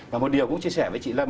và một điều cũng chia sẻ với chị lâm